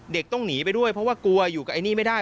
ต้องหนีไปด้วยเพราะว่ากลัวอยู่กับไอ้นี่ไม่ได้